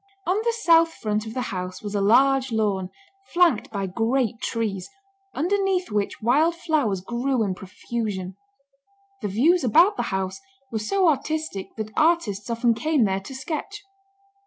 On the south front of the house was a large lawn, flanked by great trees, underneath which wild flowers grew in profusion. The views about the house were so artistic that artists often came there to sketch.